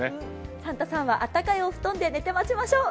サンタさんはあったかいお布団で寝て待ちましょう。